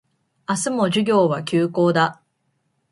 明日も授業は休講だ